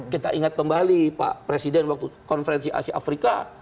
kita ingat kembali pak presiden waktu konferensi asia afrika